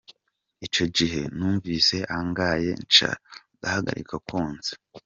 "Ico gihe numvise angaye, nca ndahagarika kwonsa.